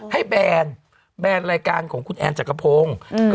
แบนแบนรายการของคุณแอนจักรพงศ์